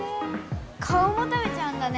顔も食べちゃうんだね。